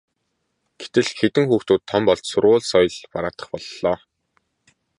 гэтэл хэдэн хүүхдүүд том болж сургууль соёл бараадах боллоо.